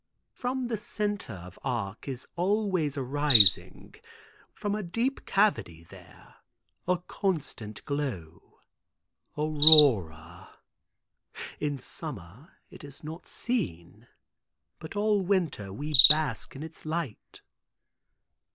"From the center of Arc is always arising, from a deep cavity there, a constant glow, Aurora! In summer it is not seen, but all winter we bask in its light."